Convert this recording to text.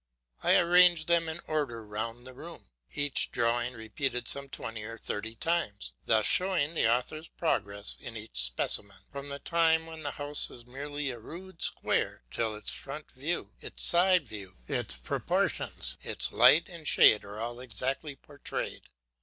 I arrange them in order round the room, each drawing repeated some twenty or thirty times, thus showing the author's progress in each specimen, from the time when the house is merely a rude square, till its front view, its side view, its proportions, its light and shade are all exactly portrayed.